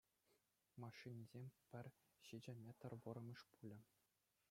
Машинисем пӗр ҫичӗ метр вӑрӑмӗш пулӗ.